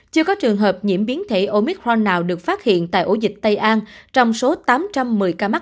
chưa có trường hợp nhiễm biến thể omitmore được phát hiện tại ổ dịch tây an trong số tám trăm một mươi ca mắc